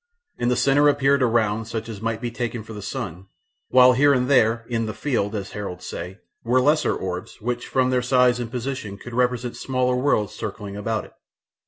In the centre appeared a round such as might be taken for the sun, while here and there, "in the field," as heralds say, were lesser orbs which from their size and position could represent smaller worlds circling about it.